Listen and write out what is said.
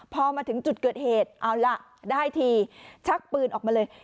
พอมาถึงจุดเกิดเหตุเอาล่ะได้ทีชักปืนออกมาเลย